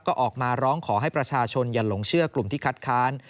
ก็ออกมาร้องขอให้ประชาชนอย่าหลงเชื่อกลุ่มที่คัดค้าน